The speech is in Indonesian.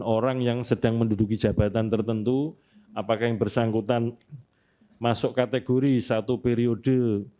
orang yang sedang menduduki jabatan tertentu apakah yang bersangkutan masuk kategori satu periode